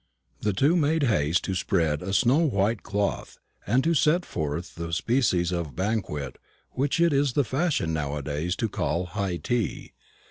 The two made haste to spread a snow white cloth, and to set forth the species of banquet which it is the fashion nowadays to call high tea.